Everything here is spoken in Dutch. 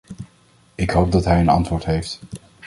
Ik hoop dat hij een antwoord heeft.